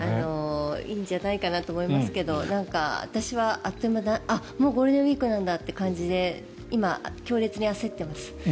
いいんじゃないかと思いますけど私は、あっ、もうゴールデンウィークなんだという感じで今、強烈に焦ってます。